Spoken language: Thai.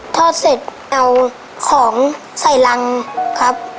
ทอดเสร็จเอาของใส่รังครับ